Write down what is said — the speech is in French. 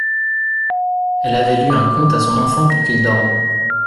Elle avait lu un conte à son enfant pour qu’il dorme.